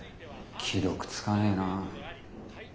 既読つかねえな。